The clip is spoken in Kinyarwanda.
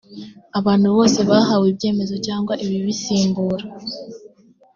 abantu bose bahawe ibyemezo cyangwa ibibisimbura